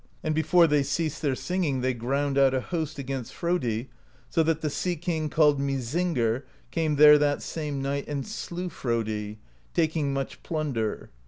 And before they ceased their singing, they ground out a host against Frodi, so that the sea king called Mysingr came there that same night and slew Frodi, taking much plunder.